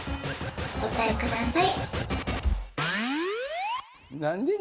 お答えください。